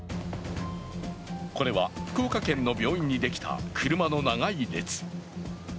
これは福岡県の病院にできた車の長い列。